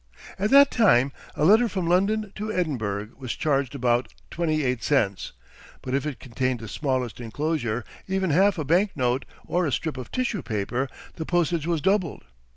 At that time a letter from London to Edinburgh was charged about twenty eight cents; but if it contained the smallest inclosure, even half a banknote, or a strip of tissue paper, the postage was doubled.